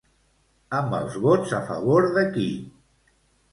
Amb els vots a favor de qui?